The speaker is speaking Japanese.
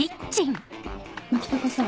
牧高さん